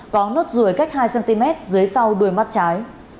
có nốt ruồi cách hai cm dưới sau đuôi mắt trái